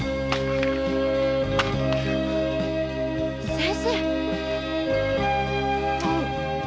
先生！